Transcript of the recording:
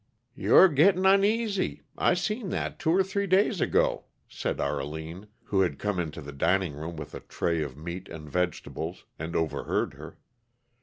"You're gitting uneasy I seen that, two or three days ago," said Arline, who had come into the dining room with a tray of meat and vegetables, and overheard her.